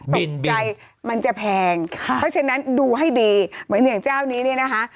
บินมันจะแพงเค้าฉะนั้นดูให้ดีเหมือนอย่างเจ้านี้นะคะ